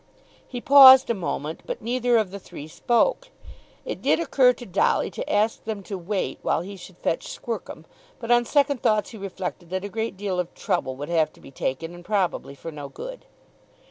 He paused a moment; but neither of the three spoke. It did occur to Dolly to ask them to wait while he should fetch Squercum; but on second thoughts he reflected that a great deal of trouble would have to be taken, and probably for no good.